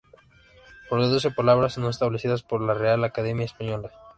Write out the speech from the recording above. Produce palabras no establecidas por la Real Academia Española.